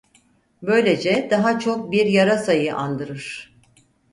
Böylece daha çok bir yarasayı andırır.